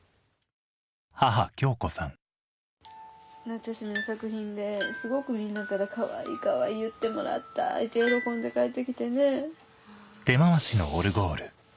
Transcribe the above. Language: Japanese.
夏休みの作品ですごくみんなから「かわいいかわいい」言ってもらったいうて喜んで帰って来てね。